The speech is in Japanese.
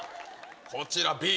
こちら、Ｂ。